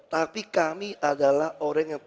tapi kami adalah orang yang